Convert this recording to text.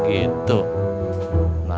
nih bolok ke dalam